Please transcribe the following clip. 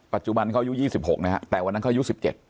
ปัจจุบันเขาอายุ๒๖นะฮะแต่วันนั้นเขาอายุ๑๗